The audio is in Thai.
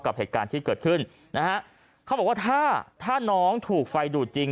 กับเหตุการณ์ที่เกิดขึ้นนะฮะเขาบอกว่าถ้าถ้าน้องถูกไฟดูดจริง